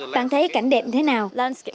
bạn thấy cảnh đẹp thế nào